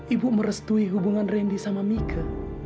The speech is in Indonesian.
ibu merestui hubungan randy sama mika